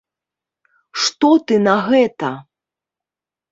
Што ты на гэта?